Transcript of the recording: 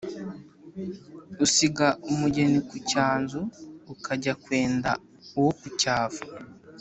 Usiga umugeni ku cyanzu ukajya kwenda uwo ku cyavu.